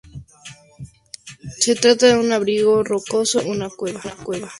Se trata de un abrigo rocoso y no de una cueva.